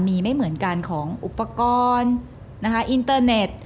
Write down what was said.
มีไม่เหมือนกันของอุปกรณ์นะคะอินเตอร์เน็ต